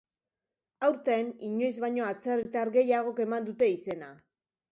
Aurten, inoiz baino atzerritar gehiagok eman dute izena.